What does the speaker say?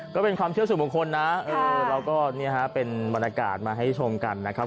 ก็เป็นความเชื่อสุขของคนนะแล้วก็เป็นบรรณากาศมาให้ชมกันนะครับ